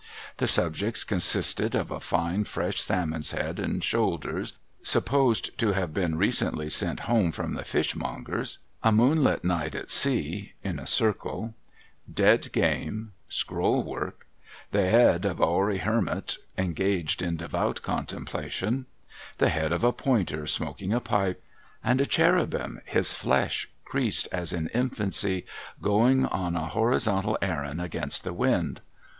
The subjects consisted of a fine fresh salmon's head and shoulders, supposed to have been recently sent home from the fishmonger's ; a moonlight night at sea (in a circle) ; dead game ; scroll work ; the head of a hoary hermit engaged in devout contemplation ; the head of a pointer smoking a pipe ; and a cherubim, his flesh creased as in infoncy, going on a horizontal errand against the wind.